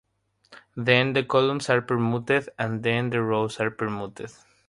Then the columns are permuted, and then the rows are permuted.